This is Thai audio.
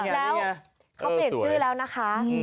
แล้วเขาเปลี่ยนชื่อแล้วนะคะ